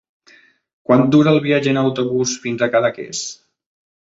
Quant dura el viatge en autobús fins a Cadaqués?